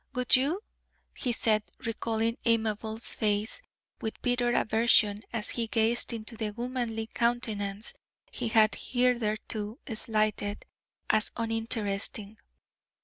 "Would you?" he said, recalling Amabel's face with bitter aversion as he gazed into the womanly countenance he had hitherto slighted as uninteresting.